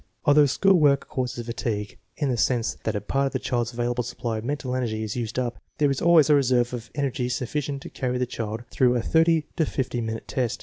Although school work causes fatigue, in the sense that a part of the child's available supply of mental energy is used up, there is always a reserve of energy sufficient to carry the child through a thirty to fifty minute test.